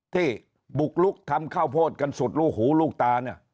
ที่บุกลุกทำข้าวโพดกันสุดลูกหูลูกตาเนี่ย